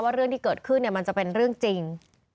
เรื่องที่เกิดขึ้นมันจะเป็นเรื่องจริง